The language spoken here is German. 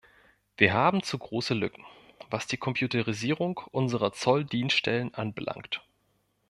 Wir haben zu große Lücken, was die Computerisierung unserer Zolldienststellen anbelangt.